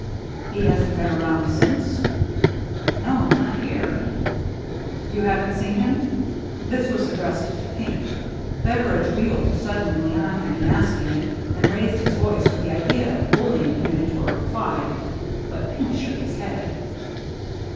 " He hasn't been around since ?" "No — not here." "You haven't seen him?" This was ad dressed to Pink. Bevel idge wheeled suddenly on him in asking it, and raised his voice with the idea of bullying him into a reply. But Pink shook his head.